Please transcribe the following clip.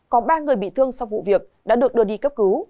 có ba người bị thương sau vụ việc đã được đưa đi cấp cứu